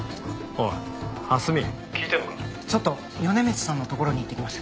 ちょっと米光さんのところに行ってきます。